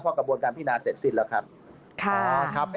กระบวนการพินาเสร็จสิ้นแล้วครับ